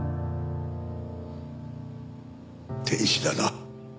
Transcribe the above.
天使だな。